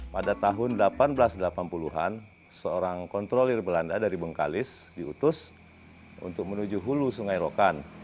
pada tahun seribu delapan ratus delapan puluh an seorang kontrolir belanda dari bengkalis diutus untuk menuju hulu sungai rokan